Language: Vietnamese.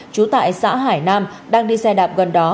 trú tại xã hải nam đang đi xe đạp gần đó